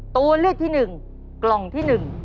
ตัวเลือกที่หนึ่งกล่องที่หนึ่ง